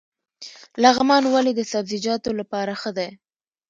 لغمان ولې د سبزیجاتو لپاره ښه دی؟